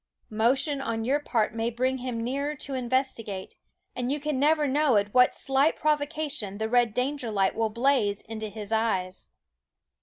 Motion on your part may bring him nearer to investigate ; and you can never know at what slight provocation the red danger light will blaze into his eyes.